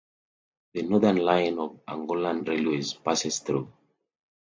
The northern line of Angolan Railways passes through.